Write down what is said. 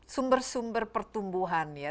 sumber sumber pertumbuhan ya